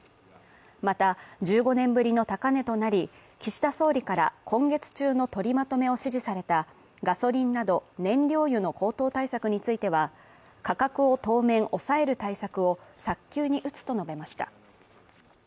また、１５年ぶりの高値となり岸田総理から今月中の取りまとめを指示されたガソリンなど燃料油の高騰対策については、価格を当面抑える対策を早急に打つと述べました。